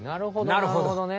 なるほどね。